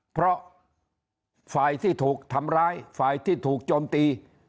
เพราะฝ่ายที่ถูกทำร้ายฝ่ายที่ถูกโจมตี